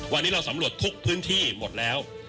วันนี้เราสำรวจทุกพื้นที่หมดแล้ว